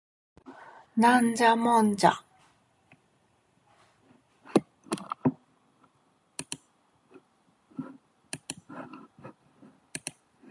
ナンジャモンジャ